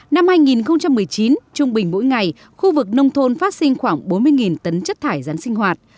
năm hai nghìn một mươi chín trung bình mỗi ngày khu vực nông thôn phát sinh khoảng bốn mươi tấn chất thải rắn sinh hoạt